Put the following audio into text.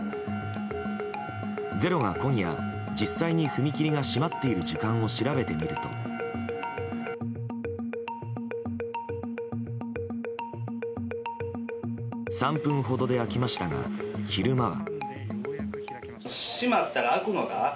「ｚｅｒｏ」が今夜実際に踏切が閉まっている時間を調べてみると３分ほどで開きましたが昼間は。